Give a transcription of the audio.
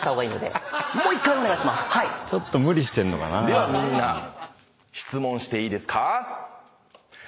ではみんな質問していいですか？